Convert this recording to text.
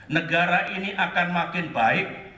negara ini akan makin baik